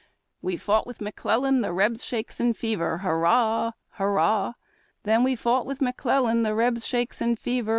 We fought with McClellan, the Rebs, shakes and fever. Hurrah! Hurrah! Then we fought with McClellan, the Rebs, shakes and fever.